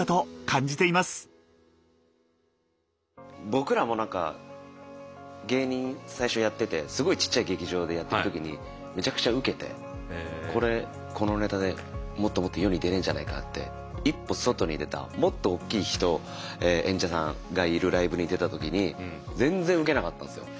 僕らも何か芸人最初やっててすごいちっちゃい劇場でやってる時にめちゃくちゃウケてこれこのネタでもっともっと世に出れんじゃないかって一歩外に出たもっとおっきい人演者さんがいるライブに出た時に全然ウケなかったんですよ。